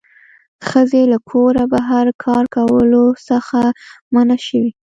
ښځې له کوره بهر کار کولو څخه منع شوې